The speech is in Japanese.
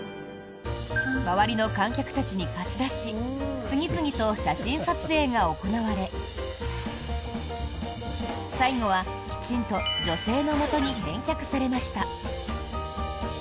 周りの観客たちに貸し出し次々と写真撮影が行われ最後はきちんと女性のもとに返却されました。